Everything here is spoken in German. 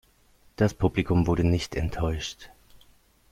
Das Publikum wurde nicht enttäuscht.